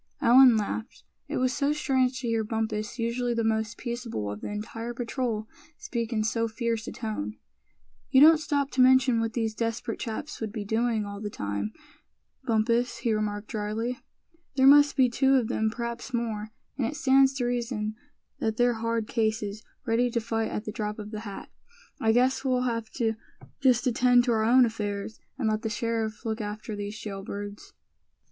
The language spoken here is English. Allan laughed. It was so strange to hear Bumpus, usually the most peaceable of the entire patrol, speak in so fierce a tone. "You don't stop to mention what these desperate chaps would be doing all that time, Bumpus," he remarked, drily. "There must be two of them, perhaps more; and it stands to reason that they're hard cases, ready to fight at the drop of the hat. I guess we'll have to just attend to our own affairs, and let the sheriff look after these jail birds."